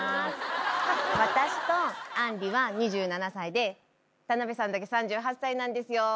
私とあんりは２７歳で田辺さんだけ３８歳なんですよ。